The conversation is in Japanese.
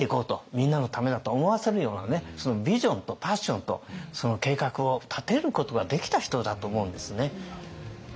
みんなのためだと思わせるようなねビジョンとパッションと計画を立てることができた人だと思うんですね。